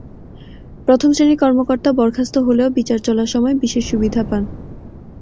প্রথম শ্রেণির কর্মকর্তা বরখাস্ত হলেও বিচার চলার সময় বিশেষ সুবিধা পান।